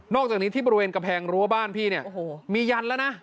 นอกจากนี้ที่บริเวณกระแพงรั้วบ้านพี่มียันตร์แล้วนะ